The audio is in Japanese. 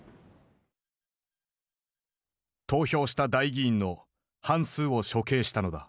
投票した代議員の半数を処刑したのだ。